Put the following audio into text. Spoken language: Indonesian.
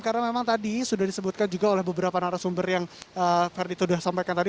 karena memang tadi sudah disebutkan juga oleh beberapa narasumber yang verdi sudah sampaikan tadi